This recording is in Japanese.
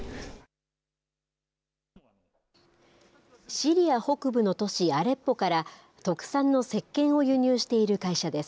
シリア北部の都市、アレッポから特産のせっけんを輸入している会社です。